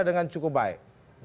dengan cukup baik